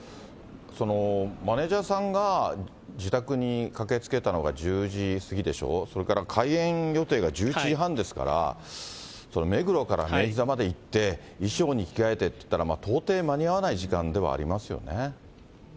そのマネージャーさんが自宅に駆けつけたのが１０時過ぎでしょう、それから開演予定が１１時半ですから、目黒から明治座まで行って、衣装に着替えてっていったら到底間に合わない時間ではありますよ